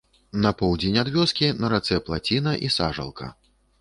На поўдзень ад вёскі на рацэ плаціна і сажалка.